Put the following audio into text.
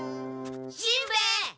しんべヱ。